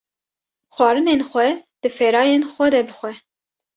Xwarinên xwe di ferayên xwe de bixwe